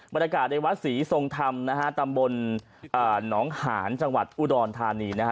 บรรยากาศในวัดศรีทรงธรรมนะฮะตำบลหนองหานจังหวัดอุดรธานีนะฮะ